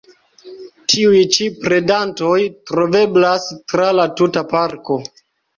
Tiuj ĉi predantoj troveblas tra la tuta parko.